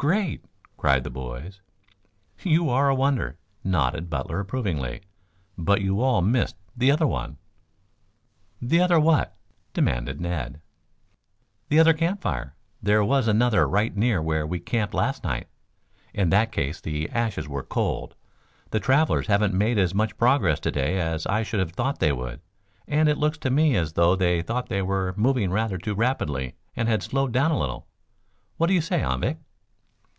"Great!" cried the boys. "You are a wonder," nodded Butler approvingly. "But you all missed the other one." "The other what?" demanded Ned. "The other campfire. There was another right near where we camped last night. In that case the ashes were cold. The travelers haven't made as much progress to day as I should have thought they would, and it looks to me as though they thought they were moving rather too rapidly and had slowed down a little. What do you say, Anvik?"